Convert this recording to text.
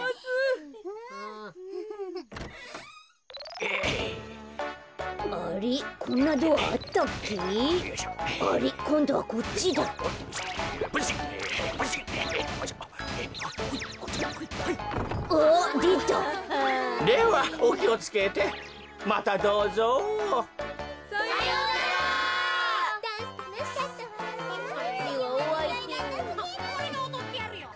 おれがおどってやるよ。